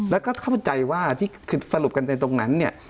แล้วก็เข้าใจว่าที่สรุปกันในตรงนั้น